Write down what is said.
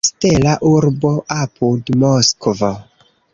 Stela Urbo apud Moskvo.